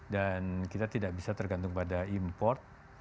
dan kita tidak bisa tergantung pada import